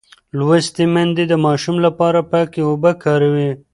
لوستې میندې د ماشوم لپاره پاکې اوبه کاروي.